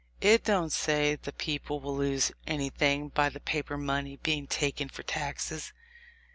It don't say the people will lose anything by the paper money being taken for taxes.